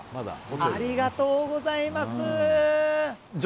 ありがとうございます！